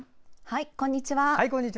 こんにちは。